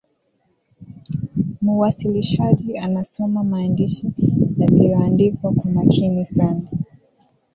muwasilishaji anasoma maandishi yaliyoandikwa kwa makini sana